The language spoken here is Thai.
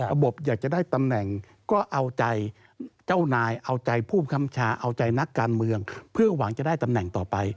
อยากจะได้ตำแหน่งก็เอาใจเจ้านายเอาใจผู้ค้ำชาเอาใจนักการเมืองเพื่อหวังจะได้ตำแหน่งต่อไป